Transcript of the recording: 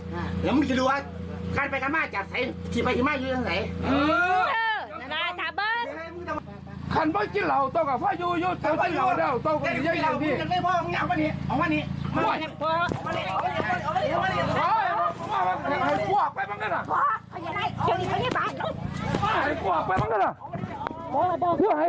เดี๋ยวมึงจะดูว่าการไปกันมาจัดใส่จิบไปกันมาอยู่กันไหน